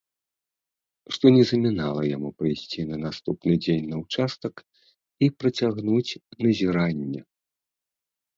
Што не замінала яму прыйсці на наступны дзень на ўчастак і працягнуць назіранне.